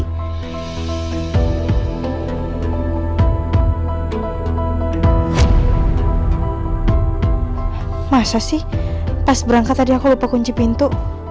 nggak mungkin pas berangkat tadi aku lupa kunci pintu